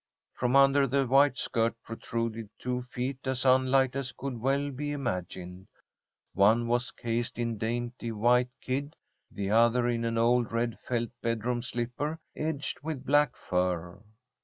From under the white skirt protruded two feet as unlike as could well be imagined. One was cased in dainty white kid, the other in an old red felt bedroom slipper, edged with black fur.